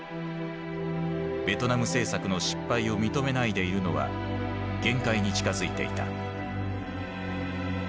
ベトナム政策の失敗を認めないでいるのは限界に近づいていた。